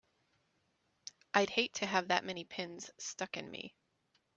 I'd hate to have that many pins stuck in me!